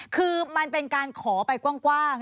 คือมันเป็นการขอไปกว้าง